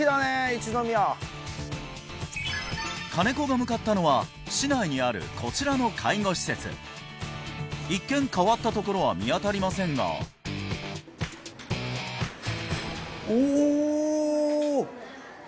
一宮金子が向かったのは市内にあるこちらの介護施設一見変わったところは見当たりませんがお！